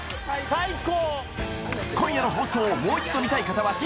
最高！